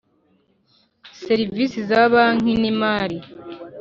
serivisi za banki n imari